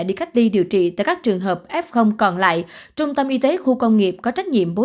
đi cách ly điều trị tại các trường hợp f còn lại trung tâm y tế khu công nghiệp có trách nhiệm bố